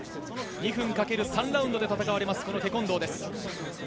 ２分掛ける３ラウンドで戦うこのテコンドーです。